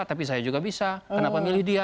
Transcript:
tapi saya juga bisa kenapa milih dia